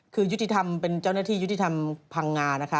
คือยุติธรรมเป็นเจ้าหน้าที่ยุติธรรมพังงานะคะ